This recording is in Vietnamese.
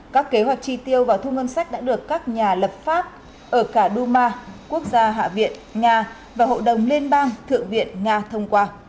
các kế hoạch chi tiêu và thu ngân sách đã được các nhà lập pháp ở cả duma quốc gia hạ viện nga và hội đồng liên bang thượng viện nga thông qua